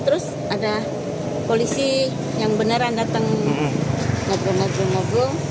terus ada polisi yang beneran datang ngabul nabung ngabul